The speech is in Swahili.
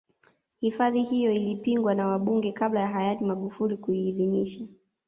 hifadhi hiyo ilipingwa na wabunge kabla ya hayati magufuli kuiidhinisha